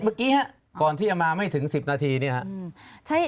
เมื่อกี้ฮะก่อนที่จะมาไม่ถึง๑๐นาทีเนี่ยครับ